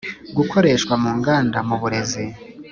Gukoreshwa mu nganda mu burezi